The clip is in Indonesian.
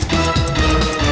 lo sudah bisa berhenti